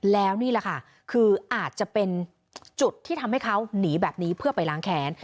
แล้วนี่แหละค่ะคืออาจจะเป็นจุดที่ทำให้เขาหนีแบบนี้เพื่อไปล้างแค้น